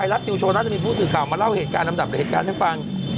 เราเล่าเหตุการณ์ลำดับเหตุการณ์ให้ฟัง